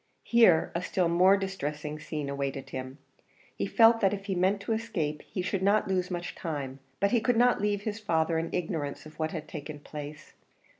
Here a still more distressing scene awaited him. He felt that if he meant to escape he should not lose much time, but he could not leave his father in ignorance of what had taken place.